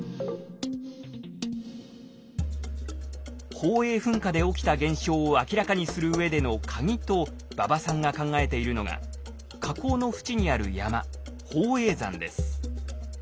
宝永噴火で起きた現象を明らかにするうえでのカギと馬場さんが考えているのが火口の縁にある山